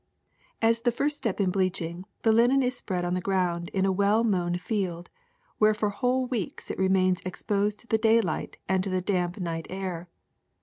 As a first step in bleaching, the linen is spread on the ground in a well mown field, where for wliole weeks it remains exposed to the daylight and to the damp night air.